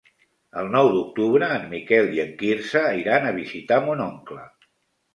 El nou d'octubre en Miquel i en Quirze iran a visitar mon oncle.